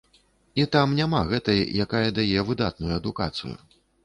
І там няма гэтай, якая дае выдатную адукацыю.